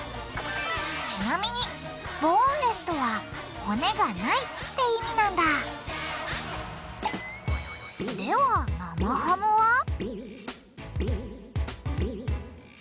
ちなみに「ボーンレス」とは「骨がない」って意味なんだでは生ハムは？